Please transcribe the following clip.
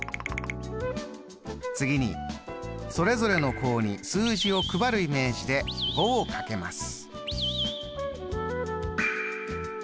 次にそれぞれの項に数字を配るイメージで５をかけます。